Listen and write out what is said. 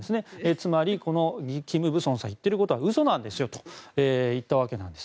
つまりキム・ブソンさんが言ってることは嘘なんですと言ったわけなんです。